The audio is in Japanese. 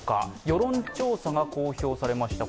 世論調査が公表されました。